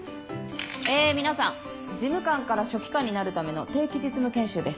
え皆さん事務官から書記官になるための定期実務研修です。